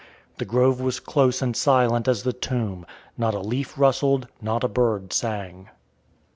The grove was close and silent as the tomb; not a leaf rustled, not a bird sang.